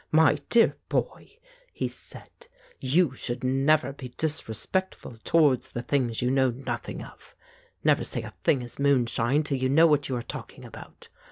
"My dear boy," he said, "you should never be disrespectful towards the things you know nothing of. Never say a thing is moonshine till you know what you are talking about.